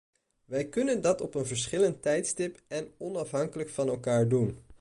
Wij kunnen dat op een verschillend tijdstip en onafhankelijk van elkaar doen.